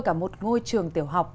cả một ngôi trường tiểu học